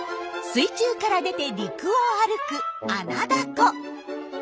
水中から出て陸を歩くアナダコ。